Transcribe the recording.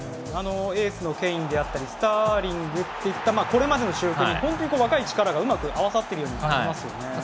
エースのケインであったりスターリングといったこれまでの主力と若い力がうまく合わさっている感じがしますね。